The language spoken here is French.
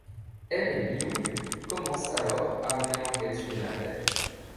Elle et Mi-young commencent alors à mener l'enquête sur une affaire.